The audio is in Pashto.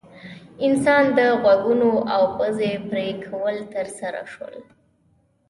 انسان د غوږونو او پزې پرې کول ترسره شول.